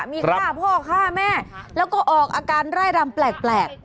มีฆ่าพ่อฆ่าแม่แล้วก็ออกอาการไร่รำแปลก